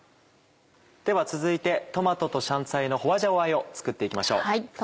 では続いてトマトと香菜の花椒あえを作って行きましょう。